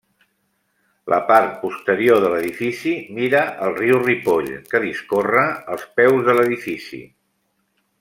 La part posterior de l'edifici mira al riu Ripoll, que discorre als peus de l'edifici.